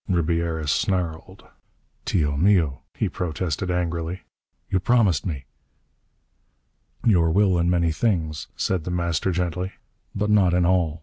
Ribiera snarled. "Tio mio," he protested angrily, "you promised me " "Your will in many things," said The Master gently, "but not in all.